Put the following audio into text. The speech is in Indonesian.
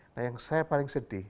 nah yang saya paling sedih